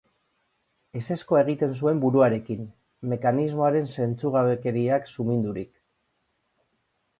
Ezezkoa egiten zuen buruarekin, mekanismoaren zentzugabekeriak sumindurik.